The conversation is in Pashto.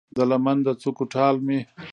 د لمن د څوکو ټال مې